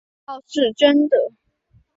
这倒是真